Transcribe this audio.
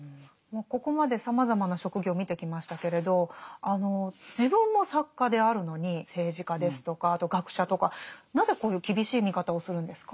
ここまでさまざまな職業を見てきましたけれど自分も作家であるのに政治家ですとかあと学者とかなぜこういう厳しい見方をするんですか？